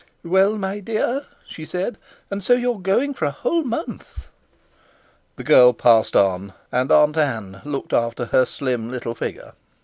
"Well, my dear," she said, "and so you're going for a whole month!" The girl passed on, and Aunt Ann looked after her slim little figure.